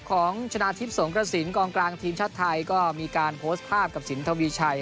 ของชนะทิพย์สงกระสินกองกลางทีมชาติไทยก็มีการโพสต์ภาพกับสินทวีชัย